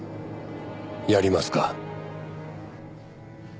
やりますか。